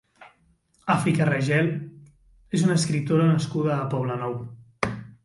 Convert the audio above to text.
Àfrica Ragel és una escriptora nascuda a Poblenou.